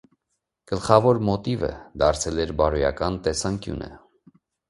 Գլխավոր մոտիվը դարձել էր բարոյական տեսանկյունը։